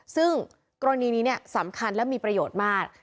ซึ่งกรณีนี้สำคัญและมีประโยชน์มาก